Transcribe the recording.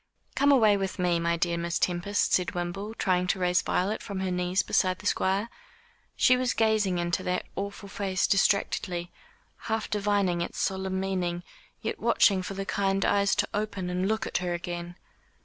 "Come away with me, my dear Miss Tempest," said Wimble, trying to raise Violet from her knees beside the Squire. She was gazing into that awful face distractedly half divining its solemn meaning yet watching for the kind eyes to open and look at her again.